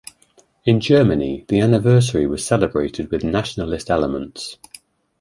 In Germany, the anniversary was celebrated with nationalist elements.